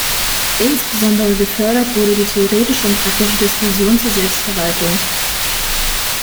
Insbesondere gefördert wurde die theoretische und praktische Diskussion zur Selbstverwaltung.